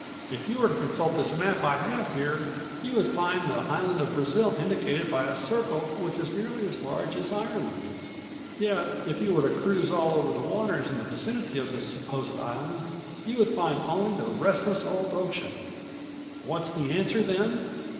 If you were to consult this map I have here you would find the island of Brazil indicated by a circle which is nearly as large as Ireland, yet if you were to cruise all over the waters in the vicinity of this229 supposed island you would find only the restless old ocean. "What's the answer then?"